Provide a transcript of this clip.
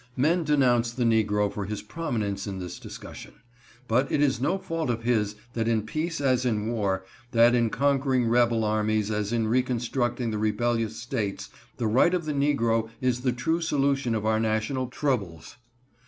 Men denounce the negro for his prominence in this discussion; but it is no fault of his that in peace as in war, that in conquering Rebel armies as in reconstructing the rebellious States, the right of the negro is the true solution of our national troubles.